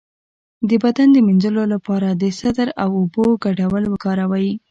د بدن د مینځلو لپاره د سدر او اوبو ګډول وکاروئ